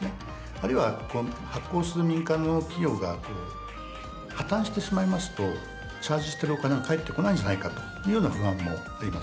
あるいは発行する民間の企業が破綻してしまいますとチャージしているお金が返ってこないんじゃないかというような不安もあります。